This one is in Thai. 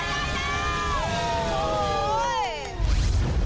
ได้แล้ว